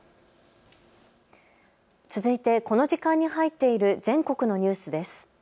続いてこの時間に入っている全国のニュースです。